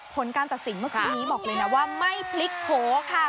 ผลการตัดสินเมื่อกี้นี้บอกเลยนะว่าไม่พลิกโผล่ค่ะ